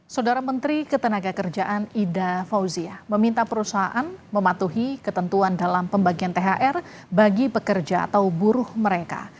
saudara menteri ketenaga kerjaan ida fauzia meminta perusahaan mematuhi ketentuan dalam pembagian thr bagi pekerja atau buruh mereka